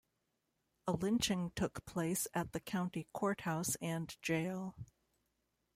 A lynching took place at the county courthouse and jail.